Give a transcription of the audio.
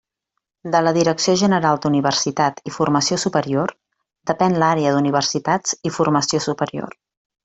De la Direcció General d'Universitat i Formació Superior depén l'Àrea d'Universitats i Formació Superior.